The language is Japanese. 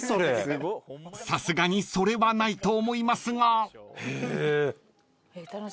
［さすがにそれはないと思いますが］